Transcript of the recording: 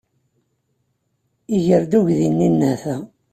Iger-d uydi-nni nnehta.